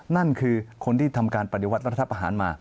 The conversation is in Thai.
นั่นคือคนที่ทำการปฏิวัติรัฐประหารมา